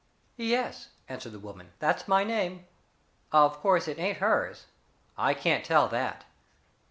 "Yes," answered the woman, "that's my name. Of course, it ain't hers. I can't tell that."